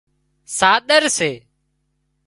ساۮر سي